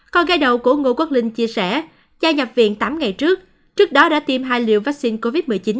còn gai đầu của ngô quốc linh chia sẻ gia nhập viện tám ngày trước trước đó đã tiêm hai liều vaccine covid một mươi chín